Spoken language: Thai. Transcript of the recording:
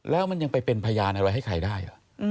แล้วมันยังไปเป็นพยานอะไรให้ใครได้